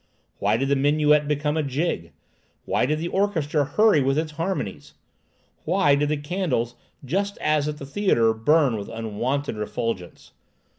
Why did the minuet become a jig? Why did the orchestra hurry with its harmonies? Why did the candles, just as at the theatre, burn with unwonted refulgence?